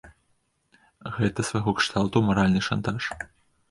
Гэта свайго кшталту маральны шантаж.